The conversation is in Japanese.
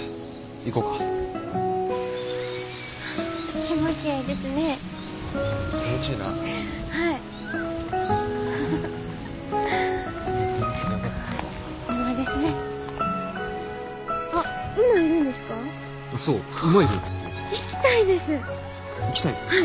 行きたい？